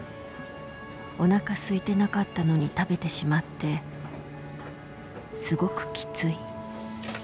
おなかすいてなかったのに食べてしまってすごくきつい」。